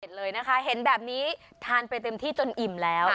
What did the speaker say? เห็นเลยนะคะเห็นแบบนี้ทานไปเต็มที่จนอิ่มแล้ว